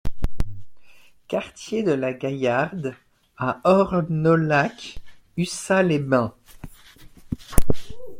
Quartier de la Gaillarde à Ornolac-Ussat-les-Bains